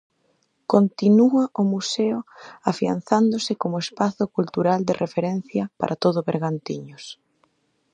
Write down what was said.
Continúa o museo afianzándose como espazo cultural de referencia para todo Bergantiños.